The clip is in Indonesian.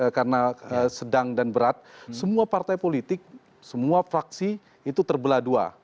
karena sedang dan berat semua partai politik semua fraksi itu terbelah dua